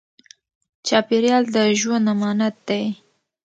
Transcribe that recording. چاپېریال د ژوند امانت دی.